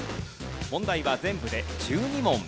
問題は全部で１２問。